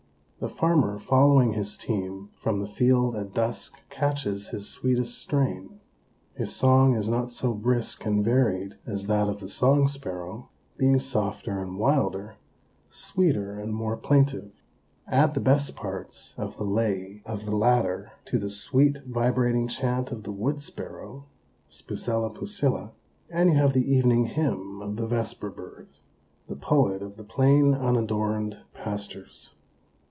The farmer following his team from the field at dusk catches his sweetest strain. His song is not so brisk and varied as that of the Song Sparrow, being softer and wilder, sweeter and more plaintive. Add the best parts of the lay of the latter to the sweet vibrating chant of the Wood Sparrow (Spizella pusilla), and you have the evening hymn of the Vesper bird the poet of the plain unadorned pastures.